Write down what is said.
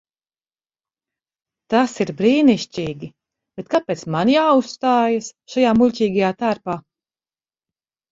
Tas ir brīnišķīgi, bet kāpēc man jāuzstājas šajā muļķīgajā tērpā?